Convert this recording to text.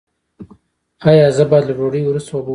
ایا زه باید له ډوډۍ وروسته اوبه وڅښم؟